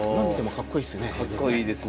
かっこいいですね。